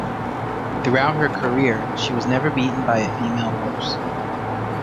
Throughout her career, she was never beaten by a female horse.